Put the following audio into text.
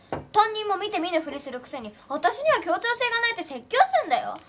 担任も見て見ぬふりするくせに私には協調性がないって説教すんだよ？